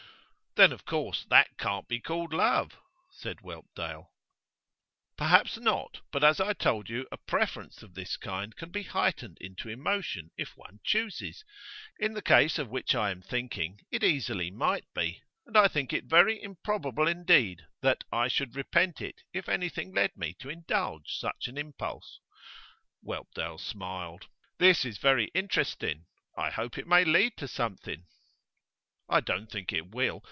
'Then of course that can't be called love,' said Whelpdale. 'Perhaps not. But, as I told you, a preference of this kind can be heightened into emotion, if one chooses. In the case of which I am thinking it easily might be. And I think it very improbable indeed that I should repent it if anything led me to indulge such an impulse.' Whelpdale smiled. 'This is very interesting. I hope it may lead to something.' 'I don't think it will.